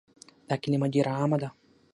دا کلمه ډيره عامه ده